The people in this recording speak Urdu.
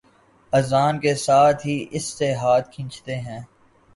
اذان کے ساتھ ہی اس سے ہاتھ کھینچتے ہیں